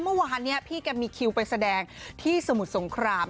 เมื่อวานนี้พี่แกมีคิวไปแสดงที่สมุทรสงคราม